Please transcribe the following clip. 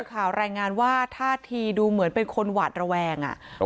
ข่าวรายงานว่าท่าทีดูเหมือนเป็นคนหวาดระแวง